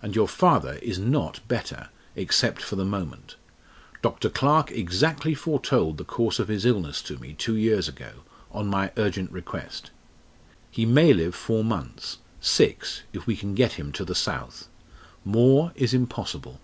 And your father is not better except for the moment. Dr. Clarke exactly foretold the course of his illness to me two years ago, on my urgent request. He may live four months six, if we can get him to the South. More is impossible."